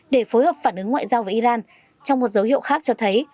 để phối hợp phản ứng ngoại giao với iran trong một dấu hiệu khác cho thấy